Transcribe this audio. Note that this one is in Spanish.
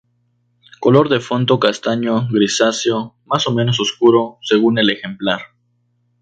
Color de fondo castaño grisáceo, más o menos oscuro, según el ejemplar.